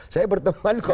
saya berteman kok